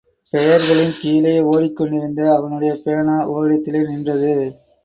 பெயர்களின் கீழே ஒடிக் கொண்டிருந்த அவனுடைய பேனா ஓரிடத்திலே நின்றது.